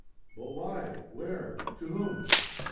"But why? Where? To whom?"